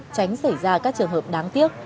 tránh xảy ra các trường hợp đáng tiếc